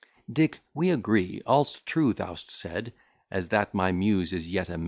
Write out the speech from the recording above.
Dick, we agree all's true thou'st said, As that my Muse is yet a maid.